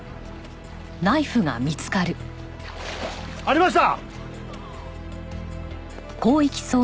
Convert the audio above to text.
ありました！